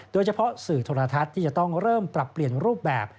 โดยเฉพาะสื่อโทรทัศน์ที่จะต้องเริ่มปรับเปลี่ยนรูปแบบ